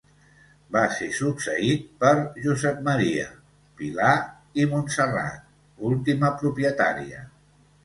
Va ser succeït per Josep Maria, Pilar i Montserrat, última propietària.